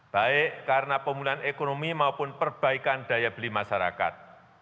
baik karena pemulihan ekonomi maupun perbaikan daya beli masyarakat